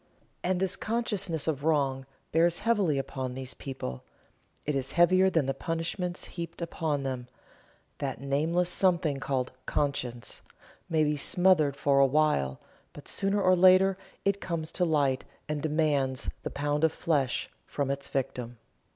And this consciousness of "Wrong" bears heavily upon these people it is heavier than the punishments heaped upon them That nameless something called "conscience" may be smothered for a while, but sooner or later it comes to light and demands the pound of flesh from its victim.